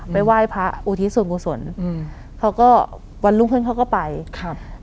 ไหว้พระอุทิศส่วนกุศลอืมเขาก็วันรุ่งขึ้นเขาก็ไปครับ